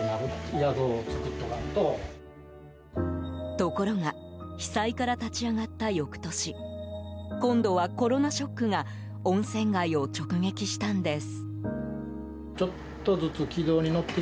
ところが被災から立ち上がった翌年今度はコロナショックが温泉街を直撃したんです。